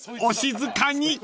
お静かに！］